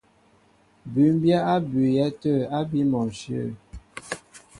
Bʉ́mbyɛ́ á bʉʉyɛ́ tə̂ ábí mɔnshyə̂.